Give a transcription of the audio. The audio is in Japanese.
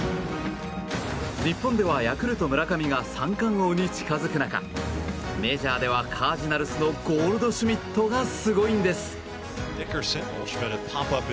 日本では、ヤクルト村上が三冠王に近づく中メジャーではカージナルスのゴールドシュミットがすごいんです。